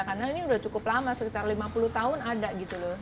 karena ini udah cukup lama sekitar lima puluh tahun ada gitu loh